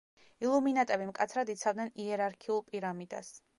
ილუმინატები მკაცრად იცავდნენ „იერარქიულ პირამიდას“.